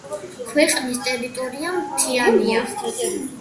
ქვეყნის ტერიტორია მთიანია.